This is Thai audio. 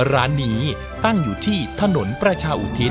ร้านนี้ตั้งอยู่ที่ถนนประชาอุทิศ